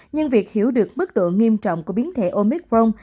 nhưng việc hiểu được mức độ nghiêm trọng của biến thể omicron